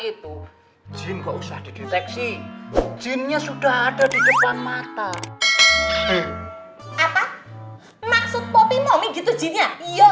itu jika usah dideteksi jinnya sudah ada di depan mata maksud popi momi gitu jenya